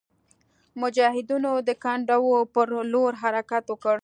مجاهدینو د کنډو پر لور حرکت وکړ.